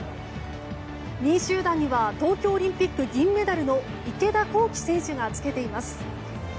２位集団には東京オリンピック銀メダルの池田向希選手がつけています。